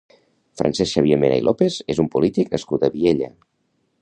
Francesc Xavier Mena i López és un polític nascut a Viella.